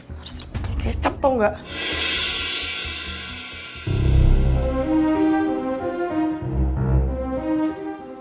harusnya diputul kecap tahu gak